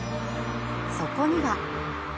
そこには。